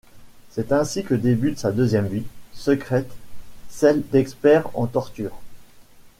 C'est ainsi que débute sa deuxième vie, secrète, celle d'expert en torture.